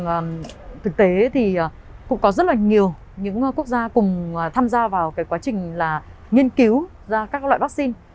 và thực tế thì cũng có rất là nhiều những quốc gia cùng tham gia vào cái quá trình là nghiên cứu ra các loại vaccine